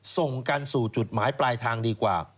ส่งกันสู่จุดหมายปลายทางดีกว่า